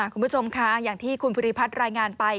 คุณผู้ชมค่ะอย่างที่คุณภูริพัฒน์รายงานไป